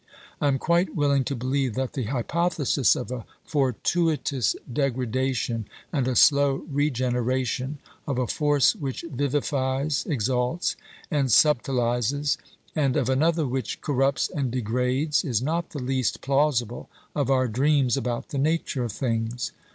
I am quite willing to believe that the hypothesis of a fortuitous degradation and a slow regeneration, of a force which vivifies, exalts, and subtilises, and of another which corrupts and degrades, is not the least plausible of our dreams about the nature of things.